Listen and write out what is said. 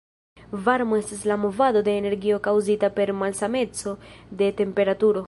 Varmo estas la movado de energio kaŭzita per malsameco de temperaturo.